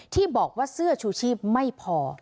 ที่บอกว่าเสื้อชูชีพไม่พอ